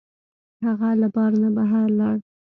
هغه له بار نه بهر لاړ.